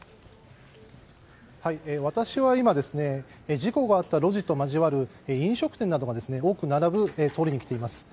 私は今事故があった路地と交わる飲食店などが多く並ぶ通りに来ています。